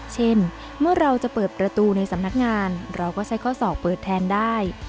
เช่นเมื่อเราจะเปิดประตูในสำนักงานเราก็ใช้ข้อศอกเปิดแทนได้